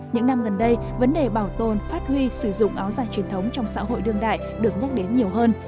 những năm gần đây vấn đề bảo tồn phát huy sử dụng áo dài truyền thống trong xã hội đương đại được nhắc đến nhiều hơn